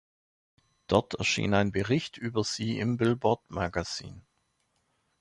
Dort erschien ein Bericht über sie im Billboard Magazin.